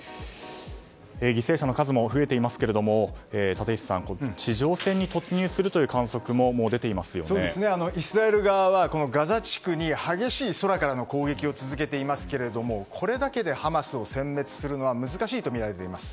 犠牲者の数も増えていますけれど立石さん地上戦に突入するという観測もイスラエル側はガザ地区に空からの激しい攻撃を続けていますけれどもこれだけでハマスを殲滅するのは難しいとみられています。